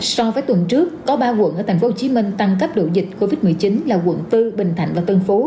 so với tuần trước có ba quận ở tp hcm tăng cấp độ dịch covid một mươi chín là quận bốn bình thạnh và tân phú